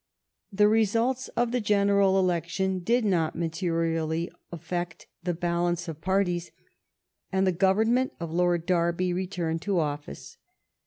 The results of the gen eral election did not materially affect the balance of parties, and the Government of Lord Derby re turned to office.